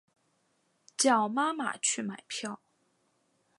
叫妈妈去买票